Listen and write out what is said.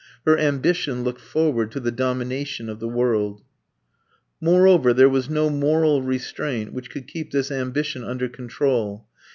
Her ambition looked forward to the domination of the world. Moreover, there was no moral restraint which could keep this ambition under control.